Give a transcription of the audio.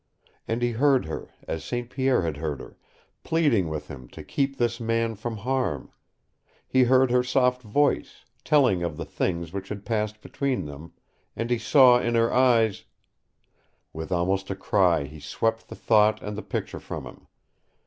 And he heard her, as St. Pierre had heard her, pleading with him to keep this man from harm; he heard her soft voice, telling of the things that had passed between them, and he saw in her eyes With almost a cry he swept the thought and the picture from him.